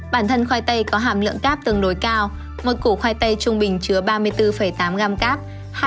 bản thân khoai tây có hàm lượng cap tương đối cao một củ khoai tây trung bình chứa ba mươi bốn tám g cap